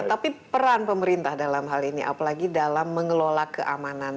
tapi peran pemerintah dalam hal ini apalagi dalam mengelola keamanan